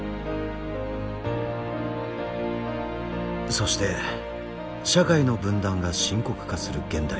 そして社会の分断が深刻化する現代。